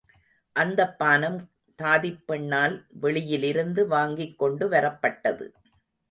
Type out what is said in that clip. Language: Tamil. அந்தப் பானம் தாதிப் பெண்ணால் வெளியிலிருந்து வாங்கிக் கொண்டுவரப்பட்டது.